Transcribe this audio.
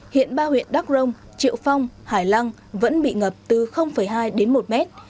hiện ba huyện đắc rông triệu phong hải lăng vẫn bị ngập từ hai đến một mét